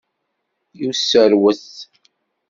I userwet?